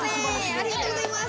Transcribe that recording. ありがとうございます。